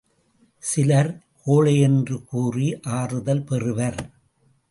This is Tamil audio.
சிலர் கோழை என்றுகூறி ஆறுதல் பெறுவர்.